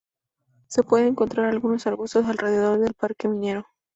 Se puede encontrar algunos arbustos alrededor del Parque Minero.